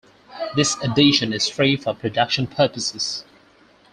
This edition is free for production purposes.